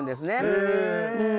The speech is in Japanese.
へえ。